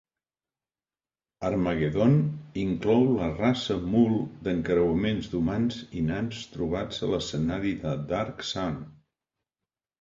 "Harmagedon" inclou la raça mul d'encreuaments d'humans i nans trobats a l'escenari de "Dark Sun".